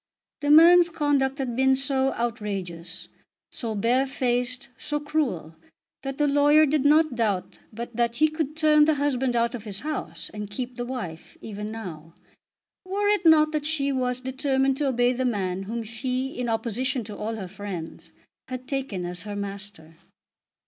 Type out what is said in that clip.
The man's conduct had been so outrageous, so bare faced, so cruel, that the lawyer did not doubt but that he could turn the husband out of his house, and keep the wife, even now, were it not that she was determined to obey the man whom she, in opposition to all her friends, had taken as her master.